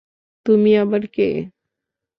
তুমি আবার কে?